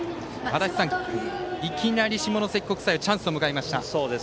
足達さん、いきなり下関国際チャンスを迎えました。